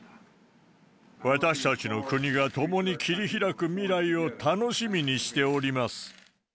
私たちの国が共に切り開く未来を楽しみにしております。